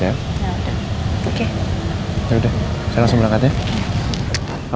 saya langsung berangkat ya